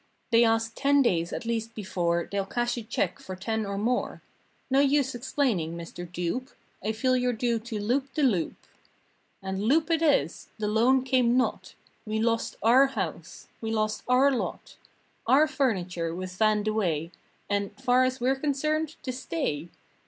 243 They ask ten days at least before They'll cash a check for ten or more. No use explaining, Mr. Dupe, I feel you're due to loop the loop." And loop it is! The loan came not! We lost our house! We lost our lot! Our furniture was vanned away And, far as we're concerned, to stay!